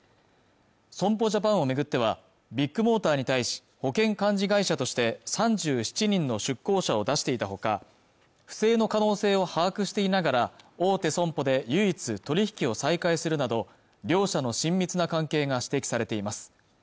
損保ジャパンをめぐってはビッグモーターに対し保険幹事会社として３７人の出向者を出していたほか不正の可能性を把握していながら大手損保で唯一取引を再開するなど両社の親密な関係が指摘されています